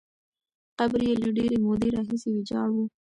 قبر یې له ډېرې مودې راهیسې ویجاړ وو.